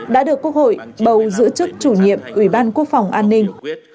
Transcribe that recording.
đã được quốc hội bầu giữ chức chủ nhiệm ủy ban quốc phòng an ninh